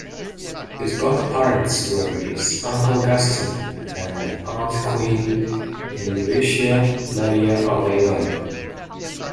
His godparents were his uncle Gaston and aunt Queen Henrietta Maria of England.